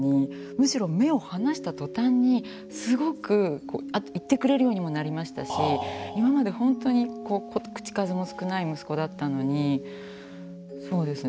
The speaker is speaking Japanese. むしろ目を離した途端にすごくこうあと言ってくれるようにもなりましたし今まで本当に口数も少ない息子だったのにそうですね。